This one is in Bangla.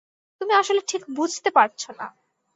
তুমি আসলে ঠিক বুঝতে পারছো না।